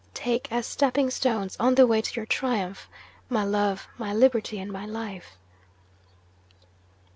Take as stepping stones on the way to your triumph, my love, my liberty, and my life!"